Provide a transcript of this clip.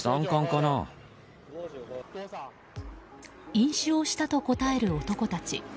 飲酒をしたと答える男たち。